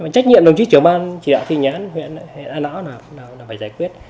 trách nhiệm đồng chí chủ ban chỉ đạo thi hành án huyện là phải giải quyết